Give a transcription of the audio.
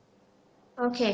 oke saya mau menambahkan waktu